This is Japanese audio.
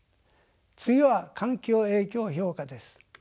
次は環境影響評価です。